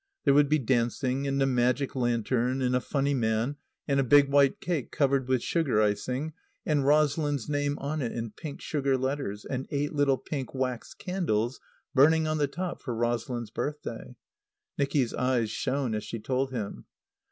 There would be dancing and a Magic Lantern, and a Funny Man, and a Big White Cake covered with sugar icing and Rosalind's name on it in pink sugar letters and eight little pink wax candles burning on the top for Rosalind's birthday. Nicky's eyes shone as she told him.